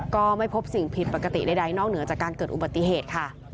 ก็ไม่พบสิ่งผิดปกติใดนอกเหนือจากการเกิดอุบัติเหตุค่ะ